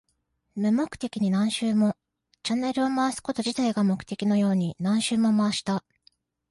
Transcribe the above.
無目的に何周も。チャンネルを回すこと自体が目的のように何周も回した。